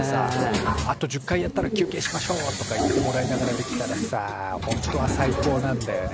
「あと１０回やったら休けいしましょう」とか言ってもらいながらできたらさほんとは最高なんだよね。